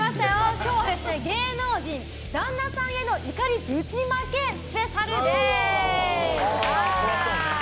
今日は芸能人旦那さんへの怒りぶちまけスペシャルです！